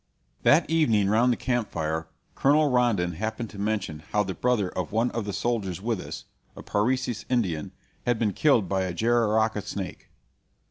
That evening round the camp fire Colonel Rondon happened to mention how the brother of one of the soldiers with us a Parecis Indian had been killed by a jararaca snake.